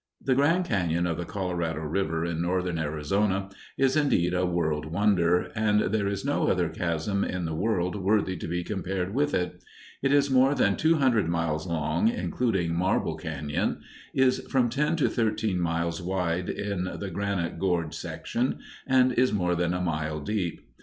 The Grand Cañon of the Colorado River, in northern Arizona, is indeed a world wonder, and there is no other chasm in the world worthy to be compared with it. It is more than two hundred miles long, including Marble Cañon, is from ten to thirteen miles wide in the granite gorge section, and is more than a mile deep.